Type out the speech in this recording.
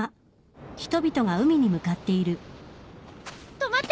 止まって！